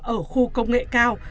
ở khu công nghệ cao